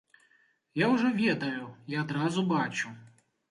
Я ўжо ведаю, я адразу бачу.